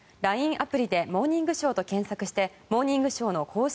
アプリで「モーニングショー」と検索をして「モーニングショー」の公式